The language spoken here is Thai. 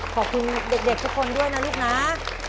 ขอบคุณเด็กทุกคนด้วยนะลูกนะ